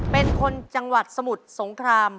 เป็นคนจังหวัดสมุทรสงคราม